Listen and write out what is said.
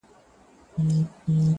او بې اطاعتي دلایل نه دي